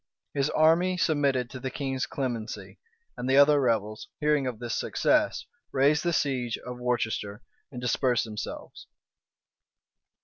His army submitted to the king's clemency; and the other rebels, hearing of this success, raised the siege of Worcester, and dispersed themselves.